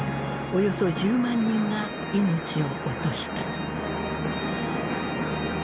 およそ１０万人が命を落とした。